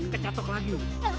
kecatok lagi datul